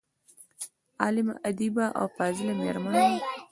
عالمه، ادیبه او فاضله میرمن وه.